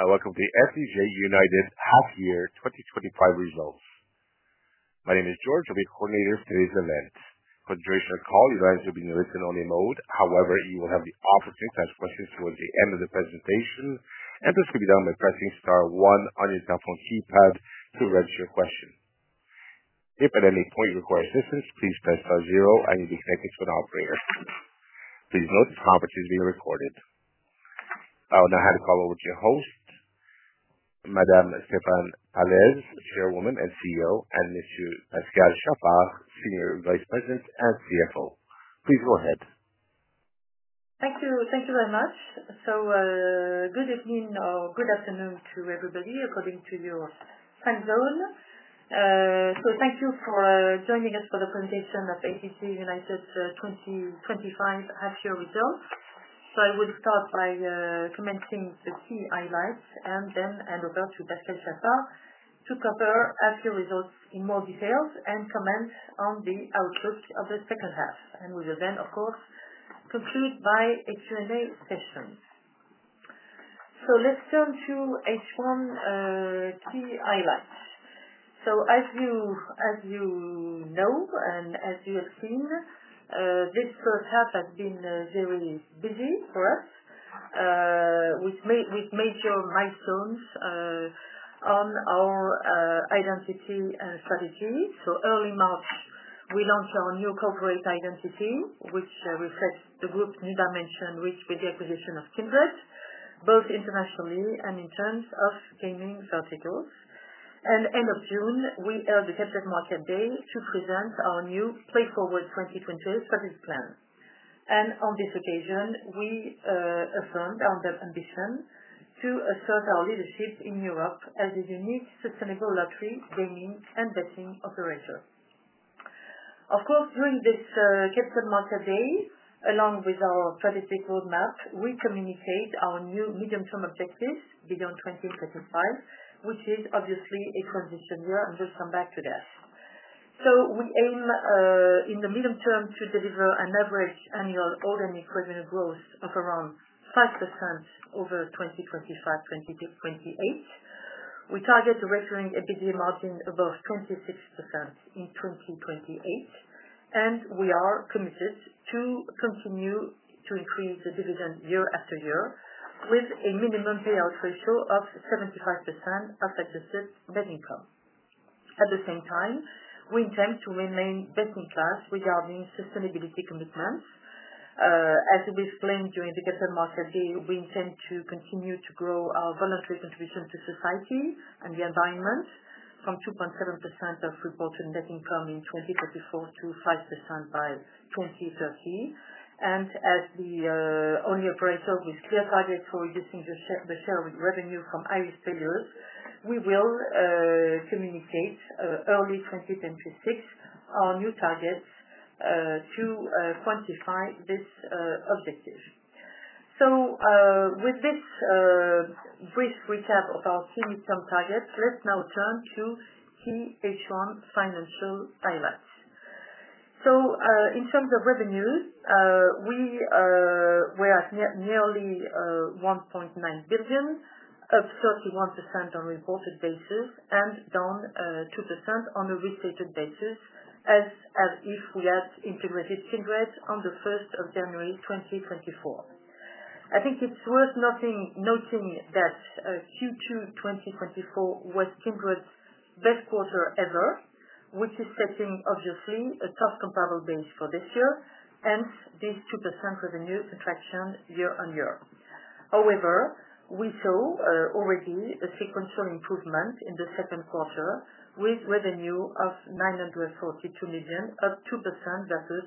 Welcome to the FDJ United half year 2025 results. My name is George, and I'll be coordinating today's event. For the duration of the call, your lines will be in listen-only mode. However, you will have the opportunity to ask questions towards the end of the presentation, and this will be done by pressing star one on your telephone keypad to arrange your question. If at any point you require assistance, please press star zero and you'll be connected to an operator. Please note this conference is being recorded. I will now hand the call over to your host, Madame Stéphane Pallez, Chairwoman and CEO, and Mr. Pascal Chaffard, Senior Vice President and CFO. Please go ahead. Thank you. Thank you very much. Good evening or good afternoon to everybody according to your time zone. Thank you for joining us for the presentation of FDJ United 2025 half year results. I will start by commenting the key highlights, and then hand over to Pascal Chaffard to cover half-year results in more detail and comment on the outlook of the second half. We will then, of course, conclude by a Q&A session. Let's turn to each one, key highlights. As you know, and as you have seen, this first half has been very busy for us, with major milestones on our identity and strategy. Early March, we launched our new corporate identity, which reflects the group's new dimension reached with the acquisition of Kindred, both internationally and in terms of gaming verticals. At the end of June, we held the Capital Market Day to present our new Play Forward 2020 strategy plan. On this occasion, we affirmed our ambition to assert our leadership in Europe as a unique sustainable lottery gaming and betting operator. During this Capital Market Day, along with our strategic roadmap, we communicated our new medium-term objectives beyond 2025, which is obviously a transition year, and we'll come back to that. We aim, in the medium term, to deliver an average annual all-and-equivalent growth of around 5% over 2025-2028. We target a recurring EBITDA margin above 26% in 2028. We are committed to continue to increase the dividend year after year with a minimum payout ratio of 75% of adjusted net income. At the same time, we intend to remain best-in-class regarding sustainability commitments. As we explained during the Capital Market Day, we intend to continue to grow our voluntary contribution to society and the environment from 2.7% of reported net income in 2024 to 5% by 2030. As the only operator with clear targets for reducing the share of revenue from iris failures, we will communicate early 2026 our new targets to quantify this objective. With this brief recap of our key mid-term targets, let's now turn to key H1 financial highlights. In terms of revenues, we were at nearly 1.9 billion, up 31% on a reported basis and down 2% on a restated basis, as if we had integrated Kindred on the 1st of January 2024. I think it's worth noting that Q2 2024 was Kindred's best quarter ever, which is setting, obviously, a tough comparable base for this year, hence this 2% revenue contraction year on year. However, we saw already a sequential improvement in the second quarter with revenue of 942 million, up 2% versus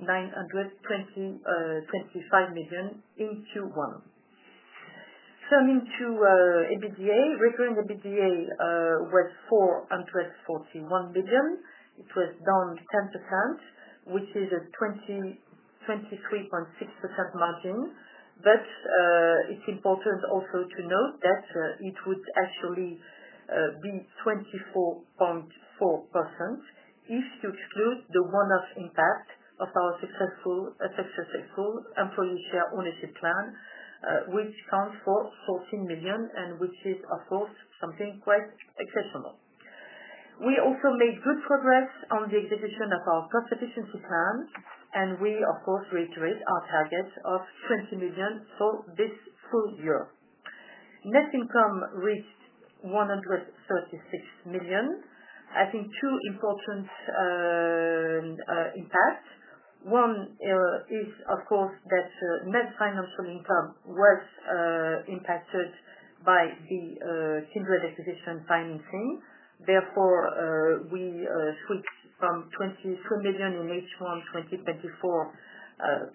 925 million in Q1. Turning to EBITDA, recurring EBITDA was 441 million. It was down 10%, which is a 23.6% margin. It's important also to note that it would actually be 24.4% if you exclude the one-off impact of our successful employee share ownership plan, which counts for 14 million and which is, of course, something quite exceptional. We also made good progress on the execution of our cost efficiency plan, and we, of course, reiterate our target of 20 million for this full year. Net income reached 136 million. I think two important impacts. One is, of course, that net financial income was impacted by the Kindred acquisition financing. Therefore, we switched from 23 million in H1 2024,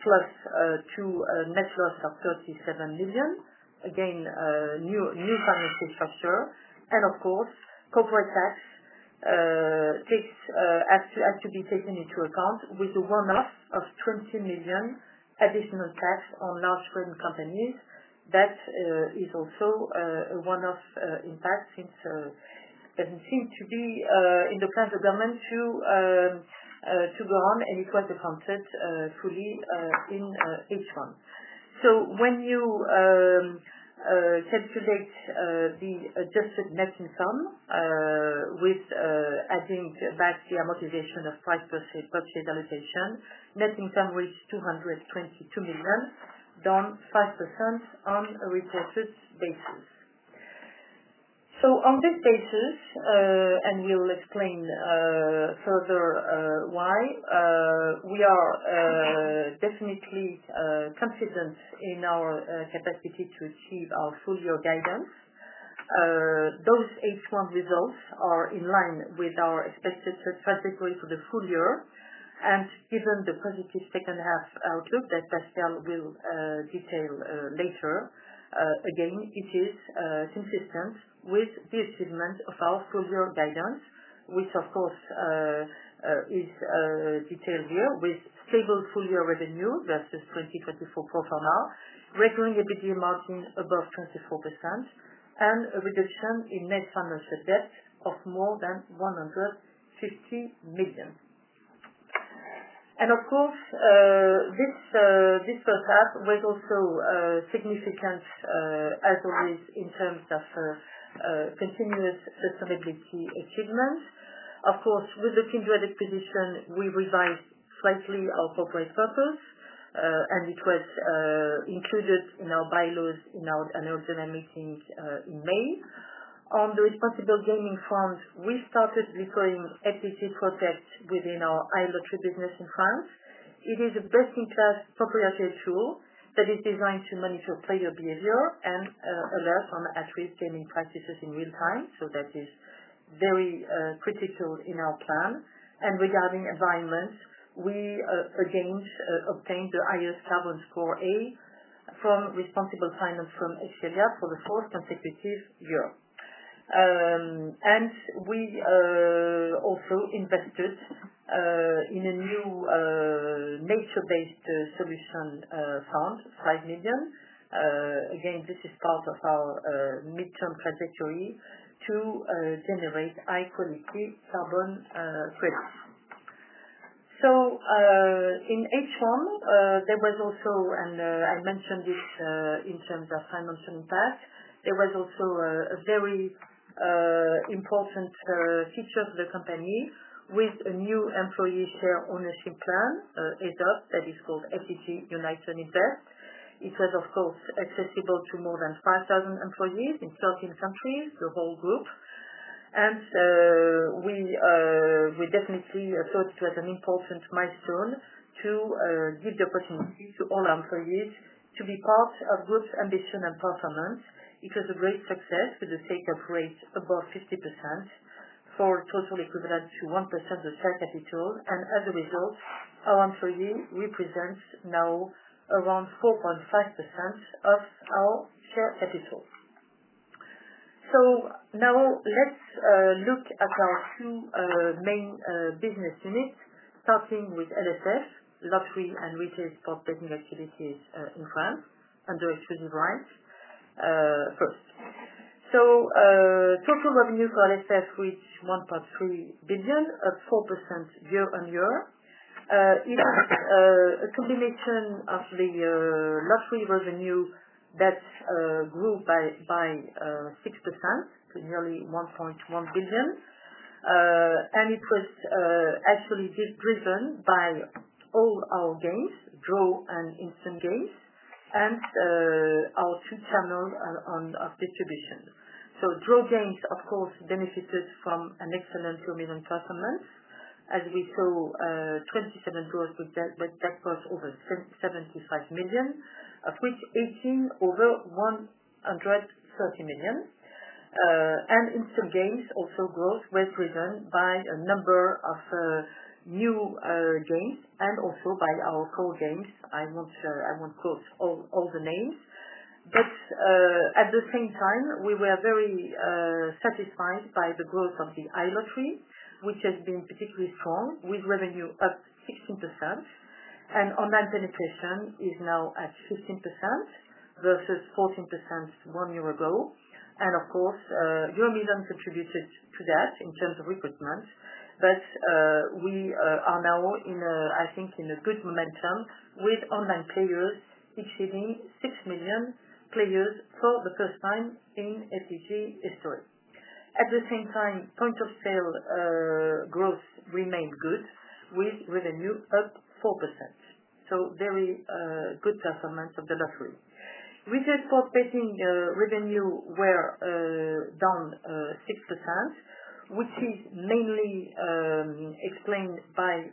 plus, to a net loss of 37 million. Again, a new financial structure. Of course, corporate tax has to be taken into account with the one-off of 20 million additional tax on large foreign companies. That is also a one-off impact since everything to be in the plans of government to go on, and it was accounted fully in H1. When you calculate the adjusted net income, with adding back the amortization of 5% purchase allocation, net income reached 222 million, down 5% on a reported basis. On this basis, and we will explain further why we are definitely confident in our capacity to achieve our full-year guidance. Those H1 results are in line with our expected trajectory for the full year. Given the positive second half outlook that Pascal will detail later, it is consistent with the achievement of our full-year guidance, which, of course, is detailed here with stable full-year revenue versus 2024 pro forma, recurring EBITDA margin above 24%, and a reduction in net financial debt of more than EUR 150 million. This first half was also significant, as always, in terms of continuous sustainability achievements. With the Kindred acquisition, we revised slightly our corporate purpose, and it was included in our bylaws in our annual general meeting in May. On the responsible gaming front, we started deploying FDJ Protect within our iLottery business in France. It is a best-in-class proprietary tool that is designed to monitor player behavior and alert on at-risk gaming practices in real time. That is very critical in our plan. Regarding environment, we again obtained the highest carbon score A from responsible finance from Excelia for the fourth consecutive year. We also invested in a new nature-based solution fund, 5 million. Again, this is part of our mid-term trajectory to generate high-quality carbon credits. In H1, there was also, I mentioned this in terms of financial impact, a very important feature for the company with a new employee share ownership plan adopted that is called FDJ United Invest. It was, of course, accessible to more than 5,000 employees in 13 countries, the whole group. We definitely thought it was an important milestone to give the opportunity to all our employees to be part of the group's ambition and performance. It was a great success with the take-up rates above 50% for a total equivalent to 1% of the share capital. As a result, our employees represent now around 4.5% of our share capital. Now let's look at our two main business units, starting with LSF, Lottery and Retail Sports Betting Activities in France, and their exclusive rights first. Total revenue for LSF reached 1.3 billion, up 4% year on year. It is a combination of the lottery revenue that grew by 6% to nearly 1.1 billion. It was actually driven by all our games, draw and instant games, and our two channels of distribution. Draw games, of course, benefited from an excellent dominion performance as we saw 27 draws that crossed over 75 million, of which 18 over 130 million. Instant games growth was also driven by a number of new games and also by our core games. I won't quote all the names. At the same time, we were very satisfied by the growth of the iLottery, which has been particularly strong with revenue up 16%. Online penetration is now at 15% versus 14% one year ago. Your median contributed to that in terms of recruitment. We are now in, I think, a good momentum with online players exceeding 6 million players for the first time in FDJ history. At the same time, point of sale growth remained good with revenue up 4%. Very good performance of the lottery. Retail sports betting revenue were down 6%, which is mainly explained by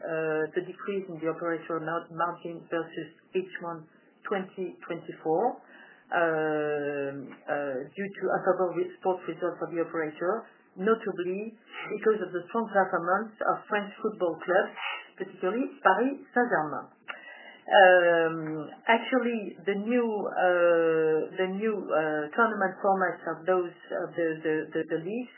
the decrease in the operational margin versus H1 2024, due to unfavorable sports results for the operator, notably because of the strong performance of French football clubs, particularly Paris Saint-Germain. Actually, the new tournament formats of the leagues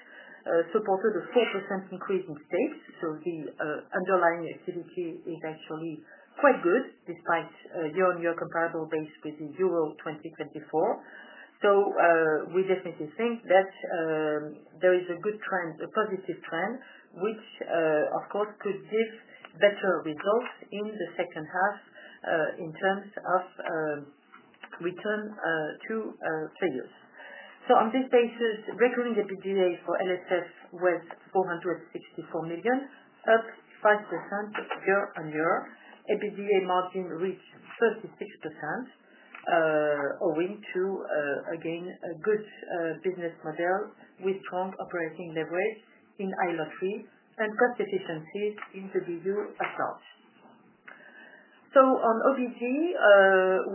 supported a 4% increase in stakes. The underlying activity is actually quite good despite year-on-year comparable base with the Euro 2024. We definitely think that there is a good trend, a positive trend, which, of course, could give better results in the second half, in terms of return to failures. On this basis, recurring EBITDA for LSF was 464 million, up 5% year on year. EBITDA margin reached 36%, owing to, again, a good business model with strong operating leverage in iLottery and cost efficiencies in the BU as such. On OBG,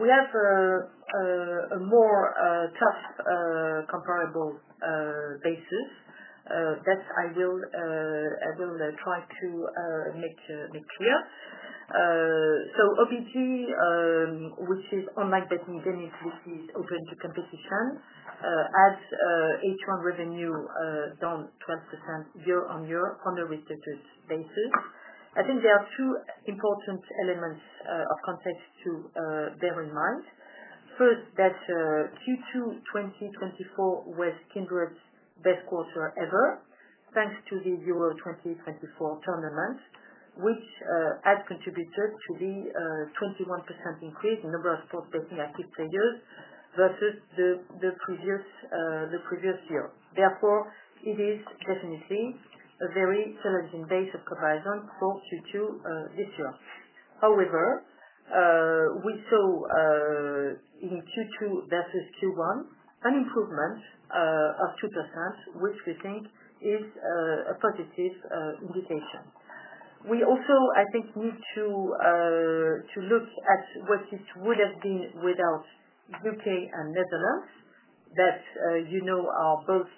we have a more tough comparable basis that I will try to make clear. OBG, which is online betting venues which is open to competition, has H1 revenue down 12% year on year on a restated basis. I think there are two important elements of context to bear in mind. First, Q2 2024 was Kindred's best quarter ever, thanks to the Euro 2024 tournament, which had contributed to the 21% increase in the number of sports betting active players versus the previous year. Therefore, it is definitely a very challenging base of comparison for Q2 this year. However, we saw in Q2 versus Q1 an improvement of 2%, which we think is a positive indication. We also, I think, need to look at what this would have been without the UK and Netherlands that are both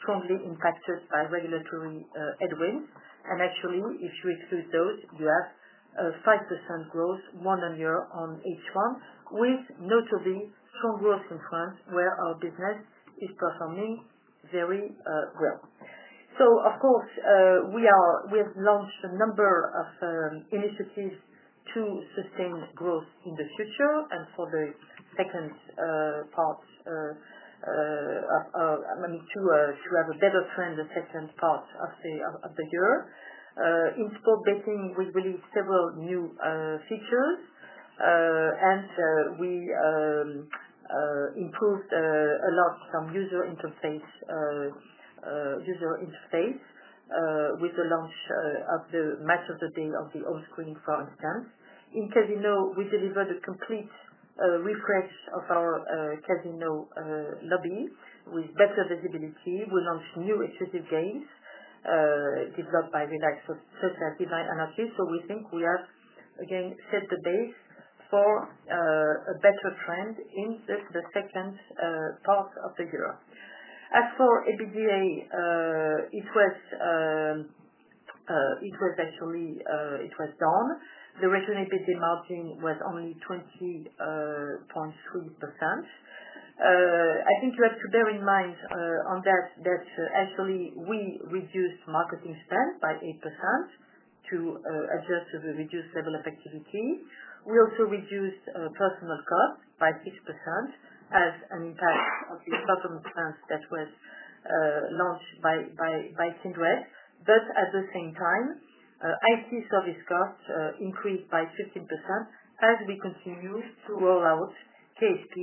strongly impacted by regulatory headwinds. Actually, if you exclude those, you have 5% growth year on year on H1, with notably strong growth in France where our business is performing very well. We have launched a number of initiatives to sustain growth in the future and for the second part, to have a better trend the second part of the year. In sports betting, we released several new features, and we improved a lot from user interface with the launch of the match of the day of the home screen, for instance. In casino, we delivered a complete refresh of our casino lobby with better visibility. We launched new exclusive games, developed by Reliax Social Design Anarchy. We think we have, again, set the base for a better trend in the second part of the year. As for EBITDA, it was down. The recurring EBITDA margin was only 20.3%. You have to bear in mind, on that, that we reduced marketing spend by 8% to adjust to the reduced level of activity. We also reduced personnel costs by 6% as an impact of the performance plans that was launched by Kindred. At the same time, IT service costs increased by 15% as we continued to roll out KSP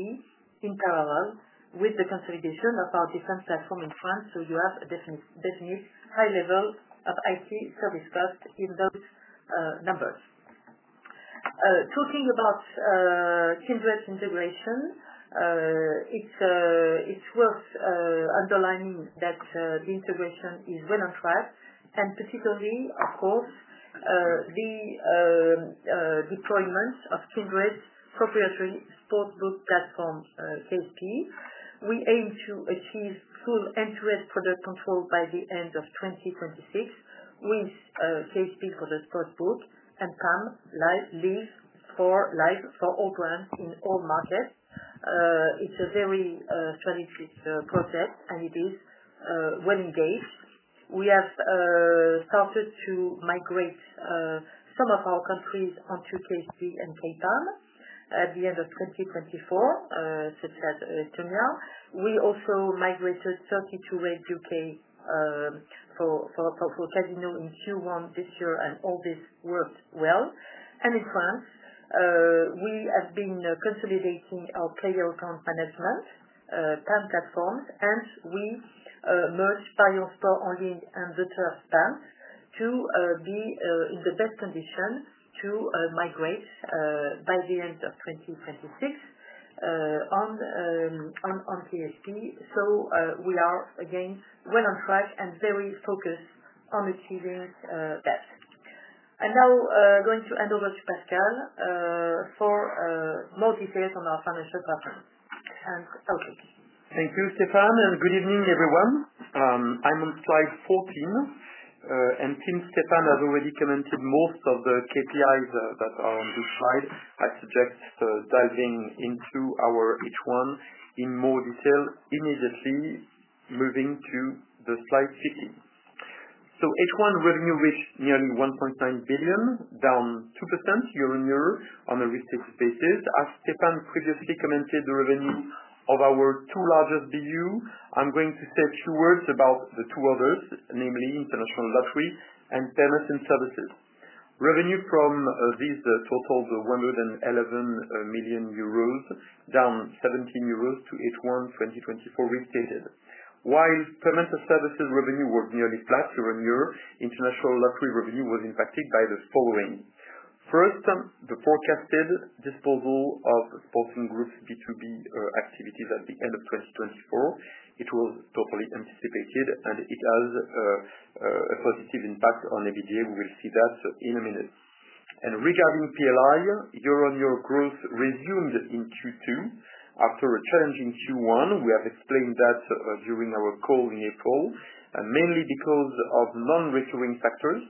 in parallel with the consolidation of our defense platform in France. You have a definite high level of IT service costs in those numbers. Talking about Kindred's integration, it's worth underlining that the integration is well on track, and particularly, of course, the deployment of Kindred's proprietary sportsbook platform, KSP. We aim to achieve full end-to-end product control by the end of 2026 with KSP for the sportsbook and PAM Live for all brands in all markets. It's a very strategic process, and it is well engaged. We have started to migrate some of our countries onto KSP and KPAM at the end of 2024, such as Kenya. We also migrated 32Red UK for casino in Q1 this year, and all this worked well. In France, we have been consolidating our player account management, PAM platforms, and we merged Payone Sport Only and Vetter PAM to be in the best condition to migrate by the end of 2026 on KSP. We are, again, well on track and very focused on achieving that. Now, going to hand over to Pascal for more details on our financial performance. Okay. Thank you, Stéphane, and good evening, everyone. I'm on slide 14. Since Stéphane has already commented most of the KPIs that are on this slide, I suggest diving into our H1 in more detail, immediately moving to slide 15. H1 revenue reached nearly 1.9 billion, down 2% year on year on a restated basis. As Stéphane previously commented, the revenue of our two largest BU, I'm going to say a few words about the two others, namely International Lottery and Payments and Services. Revenue from these totals 111 million euros, down 17 million euros to H1 2024 restated. While Payments and Services revenue was nearly flat year on year, International Lottery revenue was impacted by the following. First, the forecasted disposal of Sporting Group's B2B activities at the end of 2024. It was totally anticipated, and it has a positive impact on EBITDA. We will see that in a minute. Regarding PLI, year on year growth resumed in Q2 after a challenging Q1. We have explained that during our call in April, mainly because of non-recurring factors,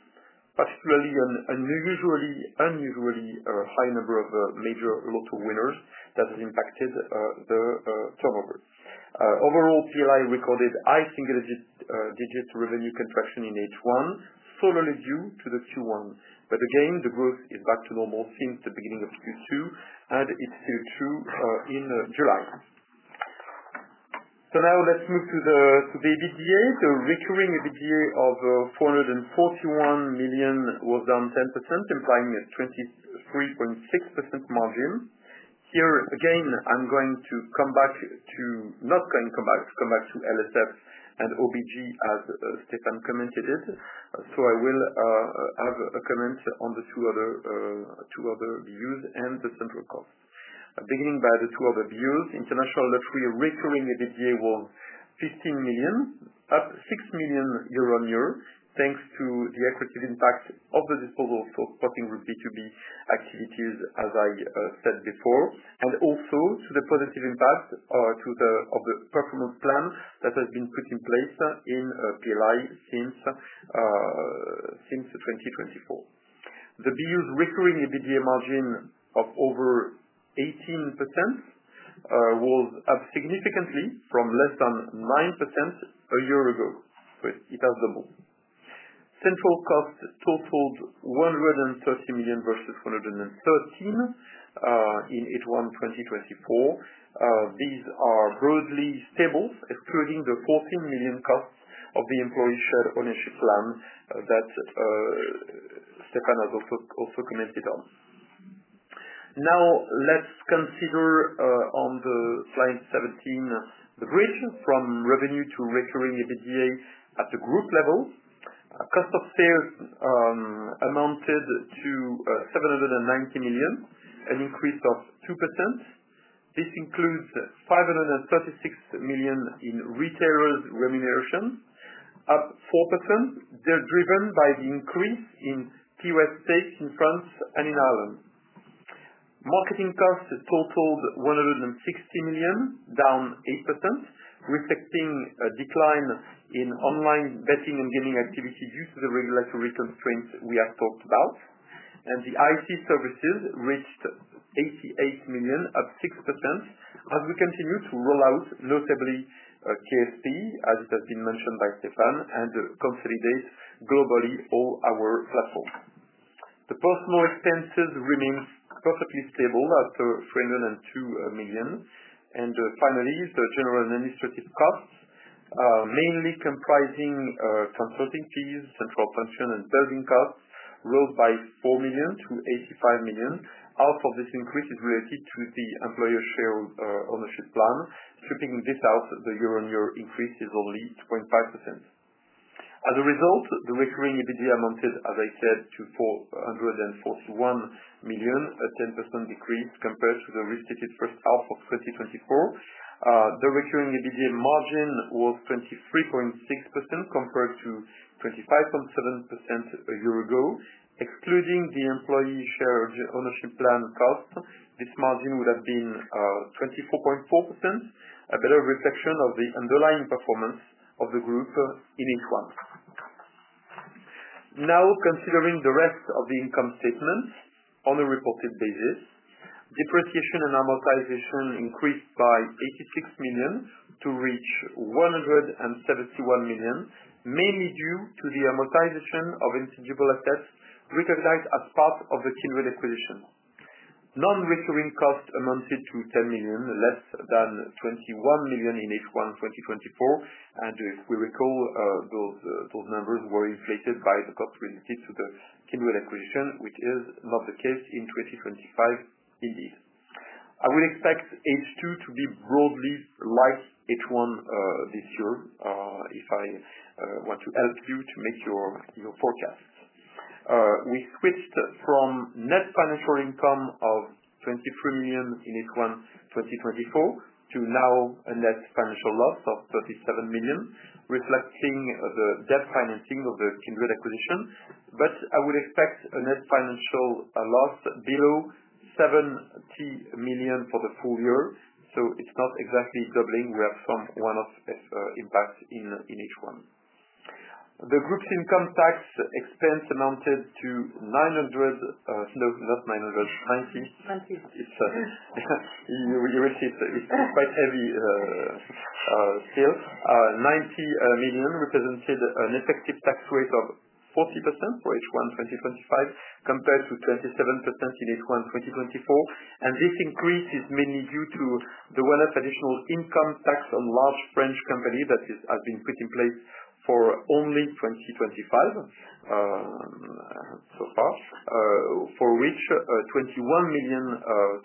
particularly an unusually high number of major lotto winners that has impacted the turnover. Overall, PLI recorded high single-digit revenue contraction in H1 solely due to Q1. Again, the growth is back to normal since the beginning of Q2, and it's still true in July. Now let's move to the EBITDA. The recurring EBITDA of 441 million was down 10%, implying a 23.6% margin. Here again, I'm not going to come back to LSF and OBG as Stéphane commented it. I will have a comment on the two other BUs and the central costs. Beginning with the two other BUs, International Lottery recurring EBITDA was 15 million, up 6 million year on year, thanks to the impact of the disposal of Sporting Group B2B activities, as I said before, and also to the positive impact of the performance plan that has been put in place in PLI since 2024. The BU's recurring EBITDA margin of over 18% was up significantly from less than 9% a year ago, so it has doubled. Central costs totaled 130 million versus 113 million in H1 2024. These are broadly stable, excluding the 14 million costs of the employee share ownership plan that Stéphane has also commented on. Now let's consider, on slide 17, the bridge from revenue to recurring EBITDA at the group level. Cost of sale amounted to 790 million, an increase of 2%. This includes 536 million in retailers' remuneration, up 4%. They're driven by the increase in POS stakes in France and in Ireland. Marketing costs totaled 160 million, down 8%, reflecting a decline in online betting and gaming activity due to the regulatory constraints we have talked about. The IC services reached EUR 88 million, up 6%, as we continue to roll out, notably, KSP sportsbook platform, as it has been mentioned by Stéphane, and consolidate globally all our platforms. The personnel expenses remain perfectly stable at 302 million. Finally, the general and administrative costs, mainly comprising consulting fees, central function, and building costs, rose by 4 million-85 million. Half of this increase is related to the employee share ownership plan. Stripping this out, the year-on-year increase is only 2.5%. As a result, the recurring EBITDA amounted, as I said, to 441 million, a 10% decrease compared to the restated first half of 2024. The recurring EBITDA margin was 23.6% compared to 25.7% a year ago. Excluding the employee share ownership plan cost, this margin would have been 24.4%, a better reflection of the underlying performance of the group in H1. Now, considering the rest of the income statement on a reported basis, depreciation and amortization increased by 86 million to reach 171 million, mainly due to the amortization of intangible assets recognized as part of the Kindred acquisition. Non-recurring costs amounted to 10 million, less than 21 million in H1 2024. If we recall, those numbers were inflated by the cost related to the Kindred acquisition, which is not the case in 2025 indeed. I would expect H2 to be broadly like H1 this year, if I want to help you to make your forecasts. We switched from net financial income of 23 million in H1 2024 to now a net financial loss of 37 million, reflecting the debt financing of the Kindred acquisition. I would expect a net financial loss below 70 million for the full year. It's not exactly doubling. We have some one-off impacts in H1. The group's income tax expense amounted to 900, no, not 990. 90. It's, you will see it's quite heavy, sales. 90 million represented an effective tax rate of 40% for H1 2025 compared to 27% in H1 2024. This increase is mainly due to the one-off additional income tax on large French companies that has been put in place for only 2025 so far, for which a 21 million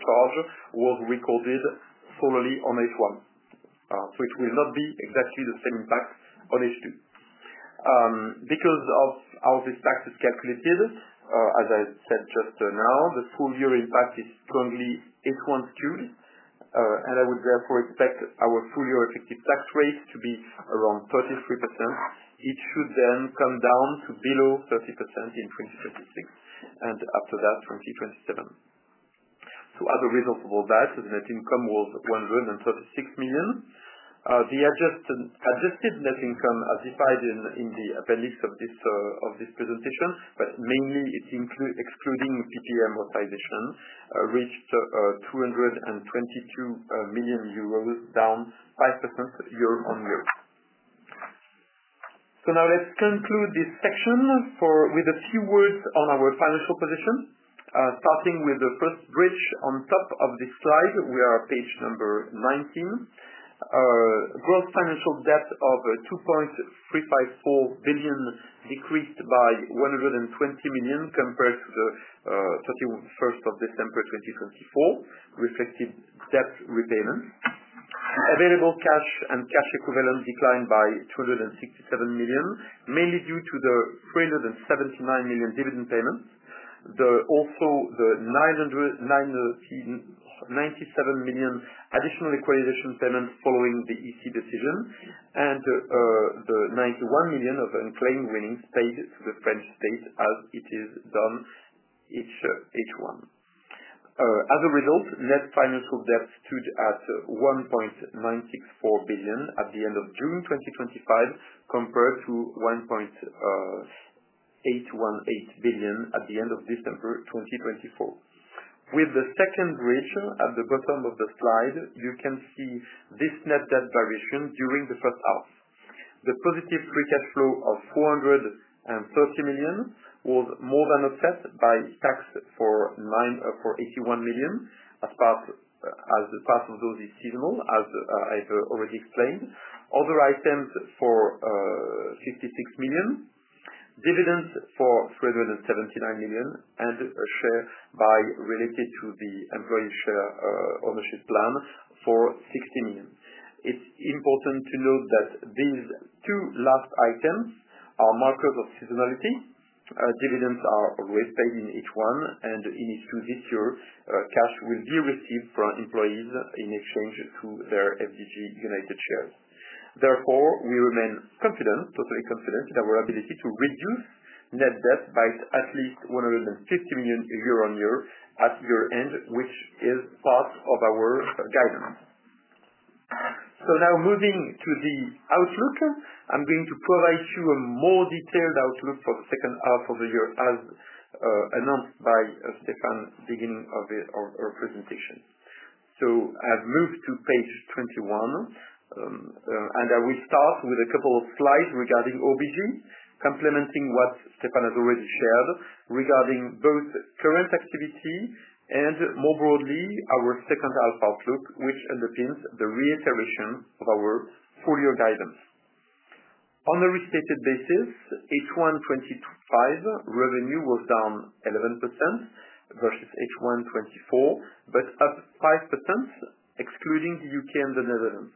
charge was recorded solely on H1. It will not be exactly the same impact on H2 because of how this tax is calculated. As I said just now, the full-year impact is strongly H1 skewed. I would therefore expect our full-year effective tax rate to be around 33%. It should then come down to below 30% in 2026 and after that, 2027. As a result of all that, the net income was 136 million. The adjusted net income as defined in the appendix of this presentation, but mainly it includes excluding PPM optimization, reached 222 million euros, down 5% year on year. Now let's conclude this section with a few words on our financial position. Starting with the first bridge on top of this slide, we are at page number 19. Gross financial debt of 2.354 billion decreased by 120 million compared to the 31st of December 2024, reflected debt repayment. Available cash and cash equivalent declined by 267 million, mainly due to the 379 million dividend payments, also the 997 million additional equalization payments following the EC decision, and the 91 million of unclaimed winnings paid to the French state as it is done in H1. As a result, net financial debt stood at 1.964 billion at the end of June 2025 compared to 1.818 billion at the end of December 2024. With the second bridge at the bottom of the slide, you can see this net debt variation during the first half. The positive free cash flow of 430 million was more than offset by tax for 481 million, as part of those is seasonal, as I've already explained. Other items for 56 million, dividends for 379 million, and a share buy related to the employee share ownership plan for 60 million. It's important to note that these two last items are markers of seasonality. Dividends are always paid in H1, and in H2 this year, cash will be received from employees in exchange to their FDJ United shares. Therefore, we remain confident, totally confident in our ability to reduce net debt by at least 150 million euro year on year at year end, which is part of our guidance. Now moving to the outlook, I'm going to provide you a more detailed outlook for the second half of the year as announced by Stéphane at the beginning of our presentation. I have moved to page 21, and I will start with a couple of slides regarding OBG, complementing what Stéphane has already shared regarding both current activity and more broadly our second half outlook, which underpins the reiteration of our full-year guidance. On a restated basis, H1 2025 revenue was down 11% versus H1 2024, but up 5% excluding the UK and the Netherlands.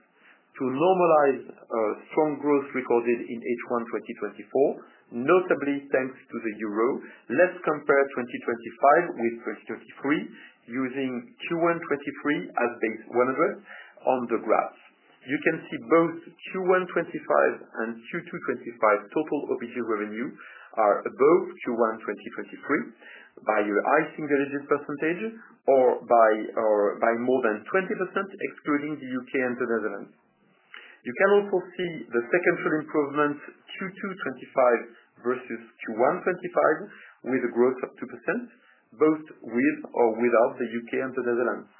To normalize a strong growth recorded in H1 2024, notably thanks to the euro, let's compare 2025 with 2023 using Q1 2023 as base 100 on the graphs. You can see both Q1 2025 and Q2 2025 total OBG revenue are above Q1 2023 by a high single-digit percentage or by more than 20% excluding the UK and the Netherlands. You can also see the sequential improvement Q2 2025 versus Q1 2025 with a growth of 2%, both with or without the UK and the Netherlands.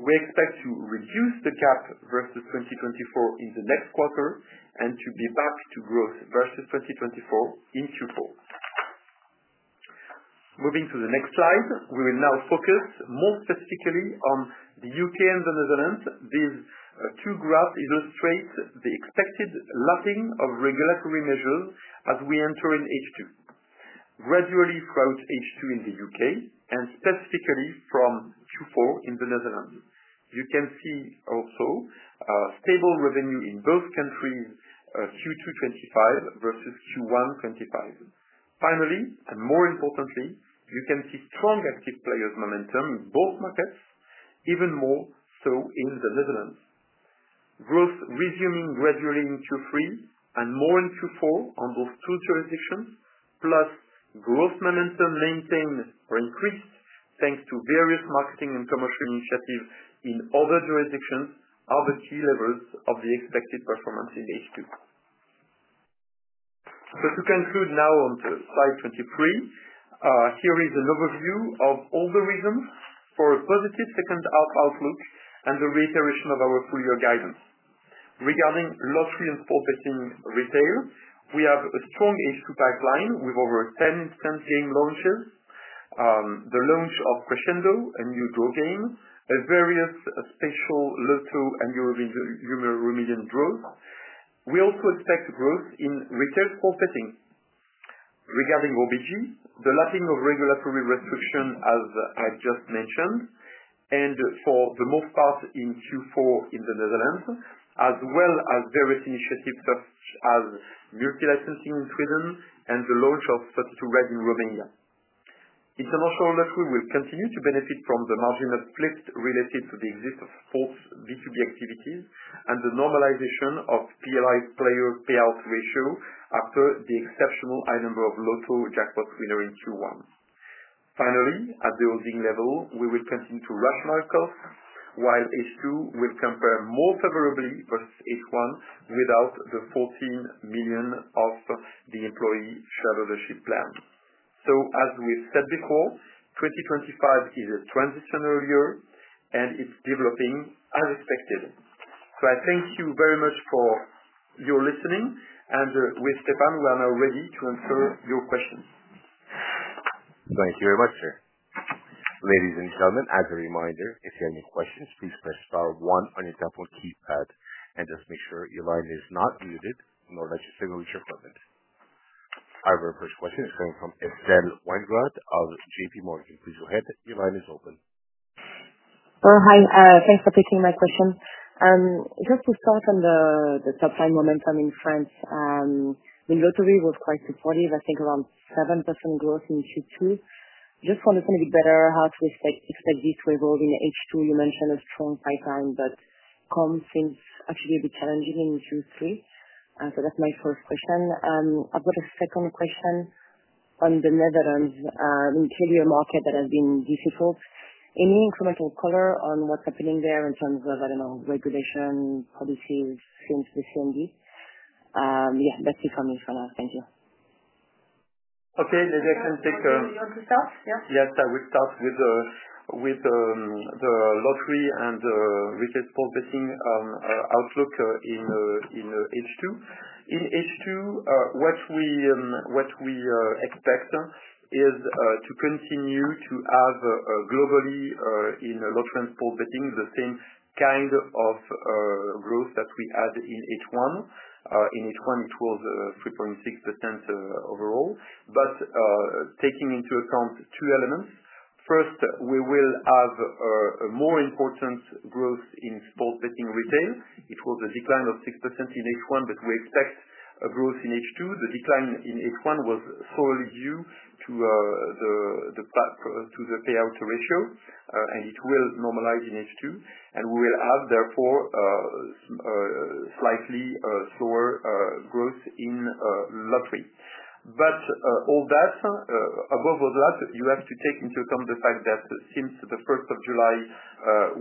We expect to reduce the gap versus 2024 in the next quarter and to be back to growth versus 2024 in Q4. Moving to the next slide, we will now focus more specifically on the UK and the Netherlands. These two graphs illustrate the expected lapping of regulatory measures as we enter in H2, gradually throughout H2 in the UK and specifically from Q4 in the Netherlands. You can also see a stable revenue in both countries, Q2 2025 versus Q1 2025. Finally, and more importantly, you can see strong active players' momentum in both markets, even more so in the Netherlands. Growth resuming gradually in Q3 and more in Q4 on those two jurisdictions, plus growth momentum maintained or increased thanks to various marketing and commercial initiatives in other jurisdictions, are the key levels of the expected performance in H2. To conclude now on slide 23, here is an overview of all the reasons for a positive second half outlook and the reiteration of our full-year guidance. Regarding lottery and sports betting retail, we have a strong H2 pipeline with over 10 game launches, the launch of Crescendo, a new draw game, and various special lotto and Euro Romanian draws. We also expect growth in retail sports betting. Regarding OBG, the lapping of regulatory restrictions, as I just mentioned, and for the most part in Q4 in the Netherlands, as well as various initiatives such as multi-licensing in Sweden and the launch of 32Red in Romania. International lottery will continue to benefit from the margin of split related to the existence of sports B2B activities and the normalization of PLI player payout ratio after the exceptional high number of lotto jackpot winners in Q1. Finally, at the holding level, we will continue to rationalize costs while H2 will compare more favorably versus H1 without the 14 million of the employee share ownership plan. As we've said before, 2025 is a transitional year, and it's developing as expected. I thank you very much for your listening, and with Stéphane, we are now ready to answer your questions. Thank you very much, sir. Ladies and gentlemen, as a reminder, if you have any questions, please press star one on your telephone keypad and just make sure your line is not muted nor that your signature is present. Our first question is coming from Estelle Weingrod of JPMorgan. Please go ahead. Your line is open. Oh, hi. Thanks for taking my question. Just to start on the top-line momentum in France, the lottery was quite supportive. I think around 7% growth in Q2. Just to understand a bit better how to expect this to evolve in H2, you mentioned a strong pipeline, but things actually come a bit challenging in Q3. That's my first question. I've got a second question on the Netherlands, the interior market that has been difficult. Any incremental color on what's happening there in terms of, I don't know, regulation policies since the CMB? Yeah, that's it for me for now. Thank you. Okay. The next one. You want to start? Yeah? Yes, I would start with the lottery and retail sports betting outlook in H2. In H2, what we expect is to continue to have, globally, in lottery and sports betting the same kind of growth that we had in H1. In H1, it was 3.6% overall. Taking into account two elements, first, we will have more important growth in retail sports betting. It was a decline of 6% in H1, but we expect growth in H2. The decline in H1 was solely due to the payout ratio, and it will normalize in H2. We will have, therefore, slightly slower growth in lottery. Above all that, you have to take into account the fact that since the 1st of July,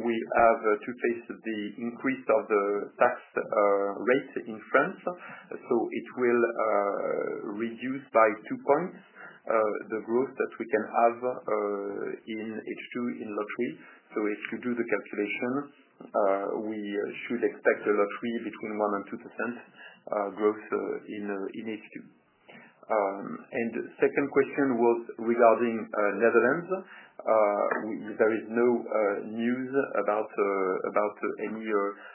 we have to face the increase of the tax rate in France. It will reduce by two points the growth that we can have in H2 in lottery. If you do the calculation, we should expect lottery between 1% and 2% growth in H2. The second question was regarding Netherlands. There is no news about any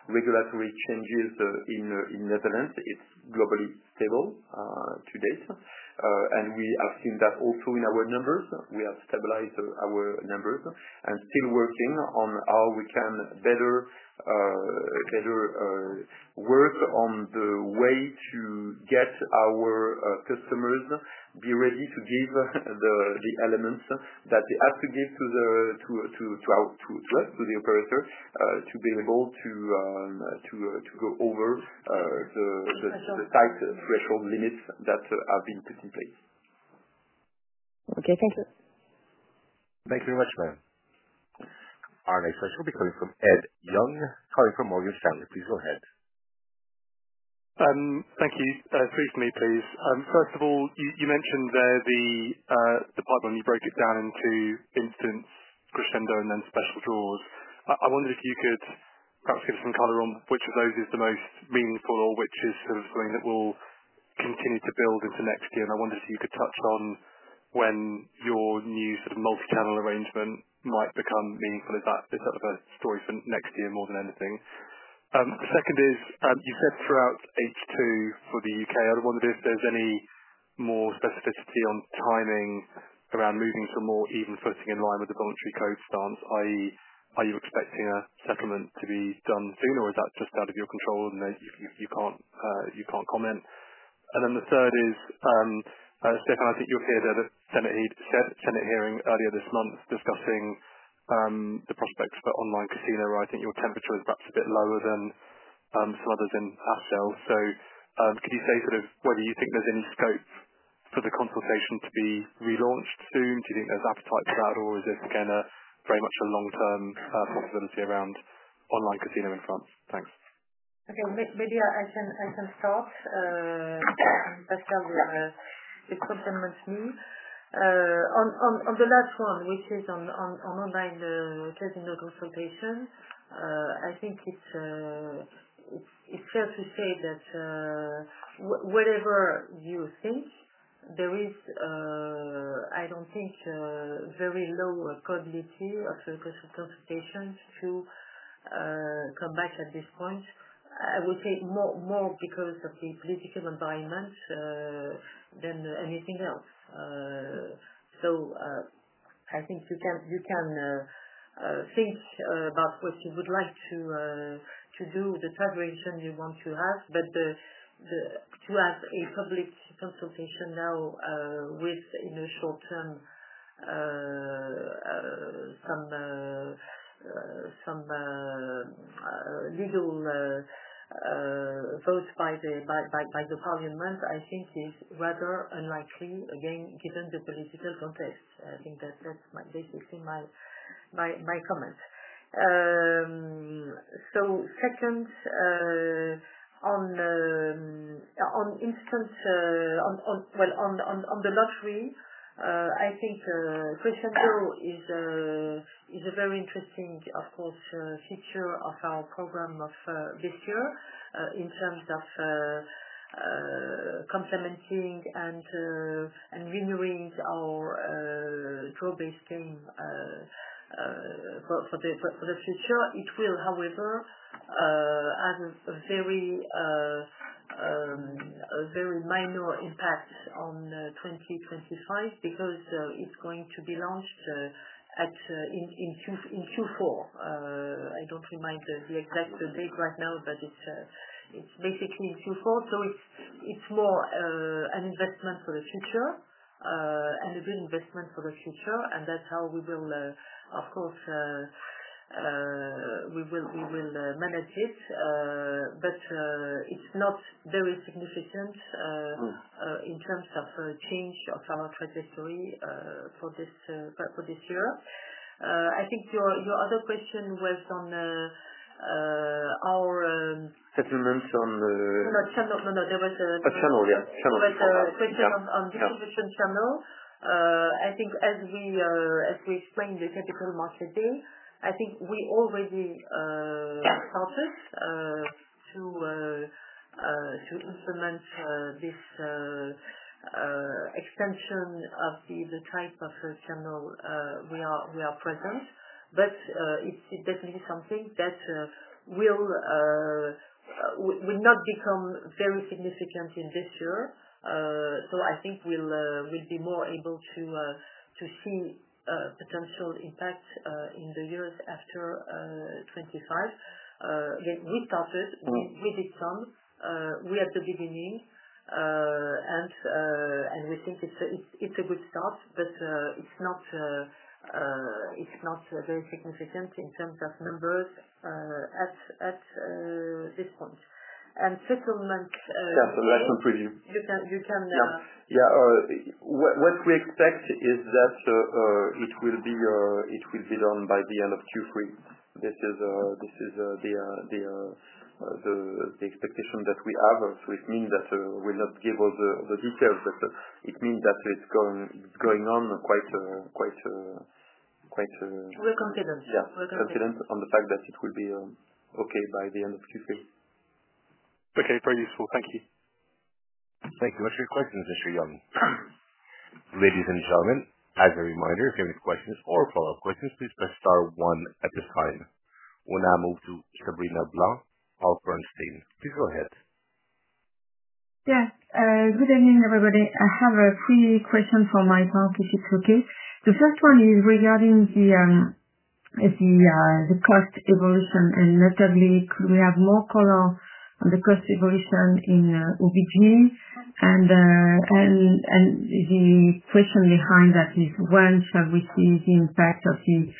regulatory changes in Netherlands. It's globally stable to date. We have seen that also in our numbers. We have stabilized our numbers and are still working on how we can better work on the way to get our customers ready to give the elements that they have to give to us, to the operator, to be able to go over the site threshold limits that have been put in place. Okay, thank you. Thank you very much, Madam. Our next question will be coming from Ed Young, calling from Morgan Stanley. Please go ahead. Thank you. First of all, you mentioned there the pipeline, you broke it down into instants, Crescendo, and then special draws. I wonder if you could perhaps give us some color on which of those is the most meaningful or which is something that will continue to build into next year. I wonder if you could touch on when your new multi-channel arrangement might become meaningful. Is that the best story for next year more than anything? The second is, you said throughout H2 for the UK. I wonder if there's any more specificity on timing around moving to a more even footing in line with the voluntary code stance, i.e., are you expecting a settlement to be done soon, or is that just out of your control and you can't comment? The third is, Stéphane, I think you were at a Senate hearing earlier this month discussing the prospects for online casino where I think your temperature is perhaps a bit lower than some others in Hassell. Could you say whether you think there's any scope for the consultation to be relaunched soon? Do you think there's appetite for that, or is this very much a long-term possibility around online casino in France? Thanks. Okay. Maybe I can start. Pascal, you could come with me on the last one, which is on online casino consultation. I think it's fair to say that, whatever you think, there is, I don't think, very low probability of a consultation to come back at this point. I would say more because of the political environment than anything else. I think you can think about what you would like to do, the collaboration you want to have. To have a public consultation now, with, in the short term, some legal vote by the parliament, I think is rather unlikely, again, given the political context. I think that's my basic thing, my comment. Second, on instant, on the lottery, I think Crescendo is a very interesting, of course, feature of our program of this year, in terms of complementing and renewing our draw-based game for the future. It will, however, have a very minor impact on 2025 because it's going to be launched in Q4. I don't remind the exact date right now, but it's basically in Q4. It's more an investment for the future, and a good investment for the future. That's how we will, of course, manage it. It's not very significant in terms of change of our trajectory for this year. I think your other question was on our, Settlements on the. Not channel. No, no, no, there was a. Channel. Yeah, channel. There was a question on distribution channel. I think as we explained at the Capital Market Day, I think we already started to implement this extension of the type of channel we are present. It's definitely something that will not become very significant in this year. I think we'll be more able to see potential impact in the years after 2025. Again, we started. We did some. We are at the beginning, and we think it's a good start, but it's not very significant in terms of numbers at this point. And settlement, Yeah, the next one, preview. You can. Yeah. What we expect is that it will be done by the end of Q3. This is the expectation that we have. It means that we'll not give all the details, but it means that it's going on quite, quite, quite, We're confident. Yeah. We're confident. We're confident on the fact that it will be okay by the end of Q3. Okay. Very useful. Thank you. Thank you. That's your question, Mr. Young. Ladies and gentlemen, as a reminder, if you have any questions or follow-up questions, please press star one at this time. We'll now move to Sabrina Blanc of Bernstein. Please go ahead. Yes. Good evening, everybody. I have a few questions for my part, if it's okay. The first one is regarding the cost evolution. Notably, could we have more color on the cost evolution in OBG? The question behind that is when shall we see the impact of the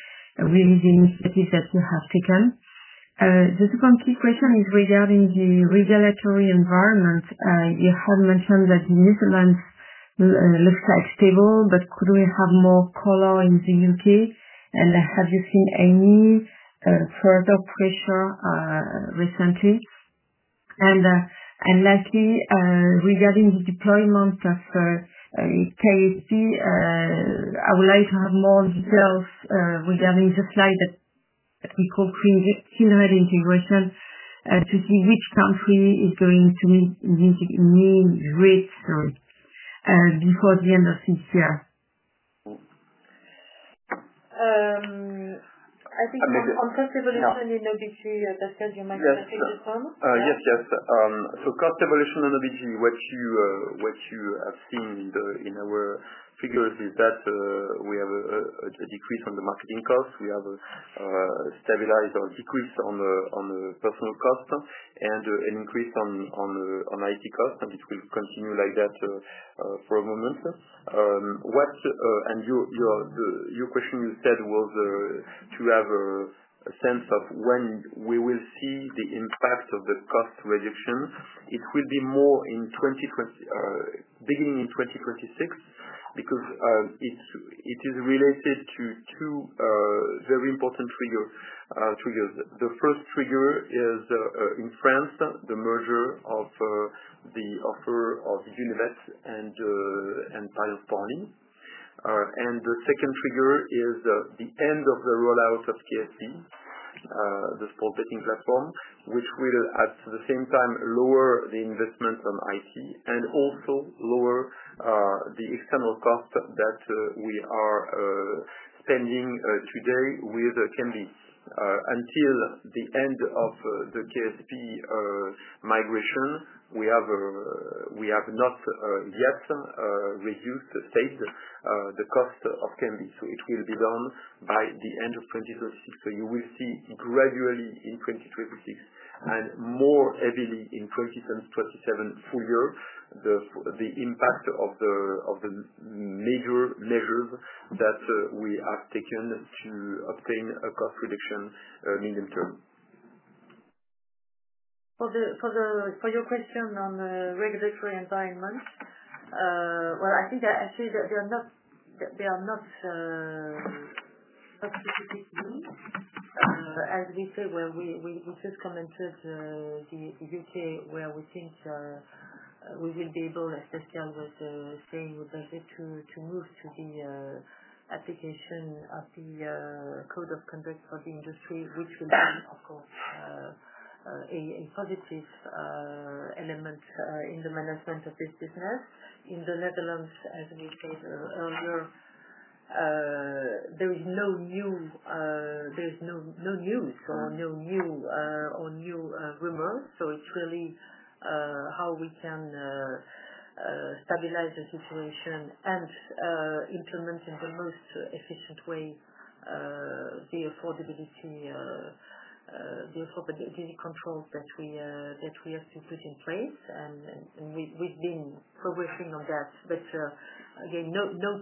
wins, the initiatives that you have taken? The second key question is regarding the regulatory environment. You have mentioned that the Netherlands looks like stable, but could we have more color in the UK? Have you seen any further pressure recently? Lastly, regarding the deployment of KSP, I would like to have more details regarding the slide that we call Kindred Integration, to see which country is going to need upgrades before the end of this year. I think maybe on cost evolution in OBG, Pascal, you might want to take this one. Yes, yes. Cost evolution in OBG, what you have seen in our figures is that we have a decrease on the marketing costs. We have a stabilized or decrease on the personnel costs and an increase on IT costs. It will continue like that for a moment. Your question was to have a sense of when we will see the impact of the cost reduction. It will be more in 2026, beginning in 2026, because it is related to two very important triggers. The first trigger is, in France, the merger of the offer of Unibet and Payone Sport Only. The second trigger is the end of the rollout of KSP sportsbook platform, which will at the same time lower the investment on IT and also lower the external cost that we are spending today with Cambly. Until the end of the KSP migration, we have not yet reduced the cost of Cambly. It will be done by the end of 2026. You will see gradually in 2026 and more heavily in 2027 full year the impact of the major measures that we have taken to obtain a cost reduction, medium term. For your question on the regulatory environment, I think that they are not specific to me. As we say, we just commented, the UK where we think we will be able, as Pascal was saying, would like it to move to the application of the code of conduct for the industry, which will be, of course, a positive element in the management of this business. In the Netherlands, as we said earlier, there is no new, there is no news or new rumor. It's really how we can stabilize the situation and implement in the most efficient way the affordability controls that we have to put in place. We've been progressing on that. Again, no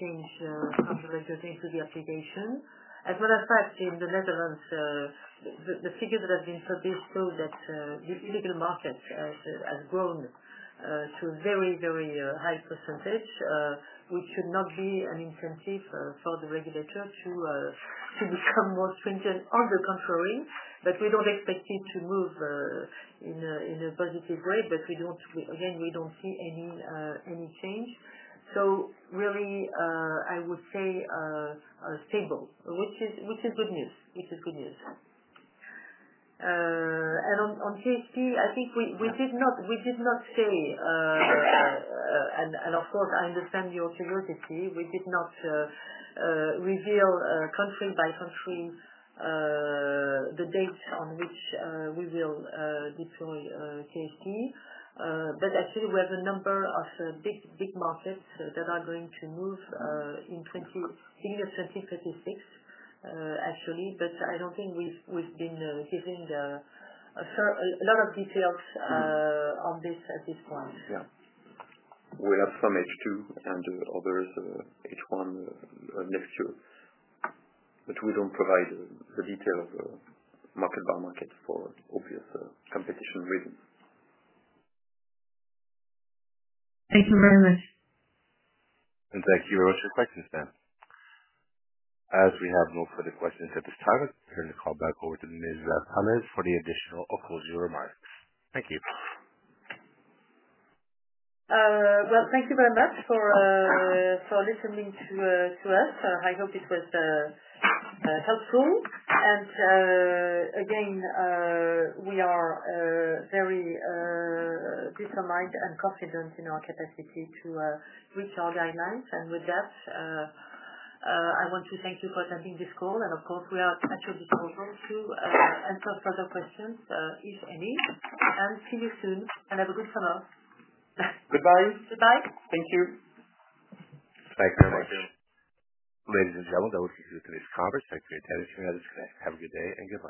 change from the regulatory to the application. As a matter of fact, in the Netherlands, the figures that have been published show that the illegal market has grown to a very, very high percentage, which should not be an incentive for the regulator to become more stringent on the contrary. We don't expect it to move in a positive way. Again, we don't see any change. I would say stable, which is good news, which is good news. On KSP, I think we did not say, and of course, I understand your curiosity. We did not reveal country by country the dates on which we will deploy KSP. Actually, we have a number of big markets that are going to move in the beginning of 2026, actually. I don't think we've been giving a lot of details on this at this point. We have some H2 and others, H1, next year. We don't provide the detail of the market by market for obvious competition reasons. Thank you very much. Thank you very much for your questions, ma'am. As we have no further questions at this time, I'll turn the call back over to Ms. Stephane Pallez for the additional or closing remarks. Thank you. Thank you very much for listening to us. I hope it was helpful. We are very determined and confident in our capacity to reach our guidelines. I want to thank you for attending this call. Of course, we are at your disposal to answer further questions, if any. See you soon and have a good summer. Goodbye. Goodbye. Thank you. Thank you. Thanks very much, ma'am. Ladies and gentlemen, that will conclude today's conference. Thank you for your attention. Have a good day and goodbye.